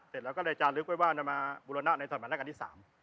เดี๋ยวเราก็จาริกไว้ว่านำมาบุรณะในสมัยลักษณ์ที่๓